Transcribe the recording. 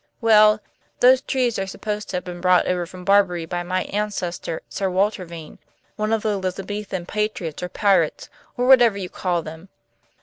Well, those trees are supposed to have been brought over from Barbary by my ancestor Sir Walter Vane, one of the Elizabethan patriots or pirates, or whatever you call them.